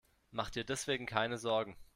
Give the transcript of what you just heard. Mach dir deswegen keine Sorgen.